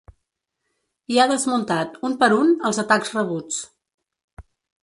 I ha desmuntat, un per un, els atacs rebuts.